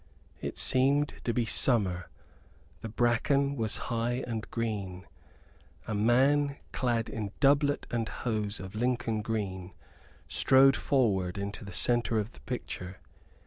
It seemed to be summer; the bracken was high and green. A man, clad in doublet and hose of Lincoln green, strode forward into the center of the picture.